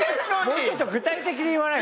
もうちょっと具体的に言わないと。